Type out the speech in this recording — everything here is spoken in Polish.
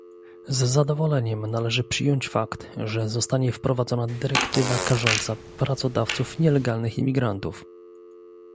Z zadowoleniem należy przyjąć fakt, że zostanie wprowadzona dyrektywa karząca pracodawców nielegalnych imigrantów